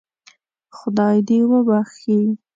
خدای دې وبخښي.